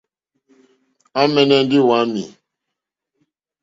À mɛ̀nɛ́ ndí wàámì.